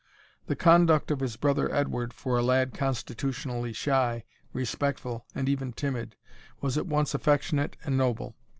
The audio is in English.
The conduct of his brother Edward, for a lad constitutionally shy, respectful, and even timid, was at once affectionate and noble.